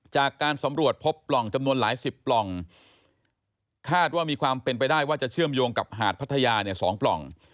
จากการสำรวจพบปล่องจำนวนหลายสิบปล่องคาดว่ามีความเป็นไปได้ว่าจะเชื่อมโยงกับหาดพัทยาเนี่ย๒ปล่อง